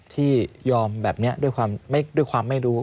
ที่ยอมแบบนี้ด้วยความไม่รู้